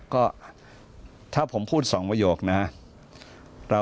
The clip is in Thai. ก็ถ้าผมพูด๒ประโยคนะ